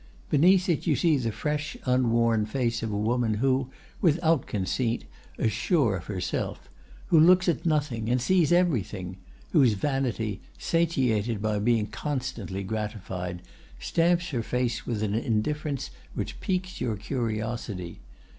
Beneath it you see the fresh unworn face of a woman who, without conceit, is sure of herself; who looks at nothing, and sees everything; whose vanity, satiated by being constantly gratified, stamps her face with an indifference which piques your curiosity.